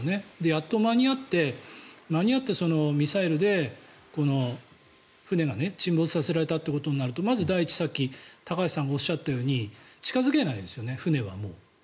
やっと間に合って間に合ったミサイルでこの船を沈没させられたとなるとまず第一、さっき高橋さんがおっしゃったように船はもう近付けないですよね。